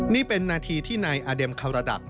นี่เป็นนาทีที่นายอาเด็มคาระดับ